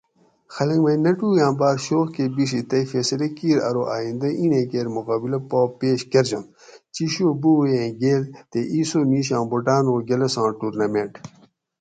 "خلق مئی نٹوگاں باۤر شوق کہ بِیڛی تئی فیصلہ کیر ارو آئندہ ایں کیر مقابلاۤ پا پیش کۤرجنت ""چِیشو بوبوئیں گیل"" تے ""اِیسو میشاں بوٹانو گۤلساں ٹورنامنٹ"""